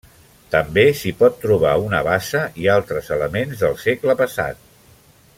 També s'hi pot trobar una bassa i altres elements del segle passat.